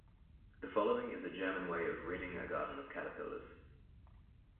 The following is a German way of ridding a garden of caterpillars.